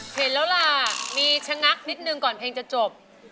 เห็นแล้วล่ะมีชะงักนิดนึงก่อนเพลงจะจบ